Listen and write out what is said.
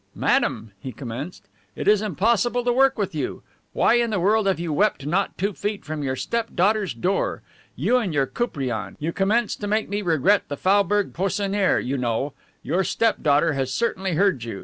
"Madame," he commenced, "it is impossible to work with you. Why in the world have you wept not two feet from your step daughter's door? You and your Koupriane, you commence to make me regret the Faubourg Poissoniere, you know. Your step daughter has certainly heard you.